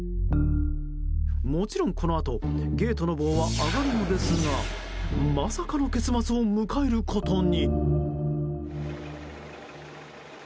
もちろん、このあとゲートの棒は上がるのですがまさかの結末を迎えることに。